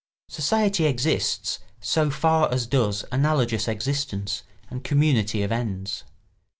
Society exists so far as does analogous existence and community of ends.